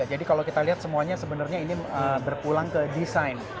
jadi kalau kita lihat semuanya sebenarnya ini berpulang ke desain